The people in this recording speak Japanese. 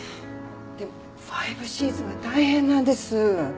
でもファイブシーズンが大変なんです。